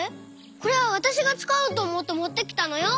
これはわたしがつかおうとおもってもってきたのよ！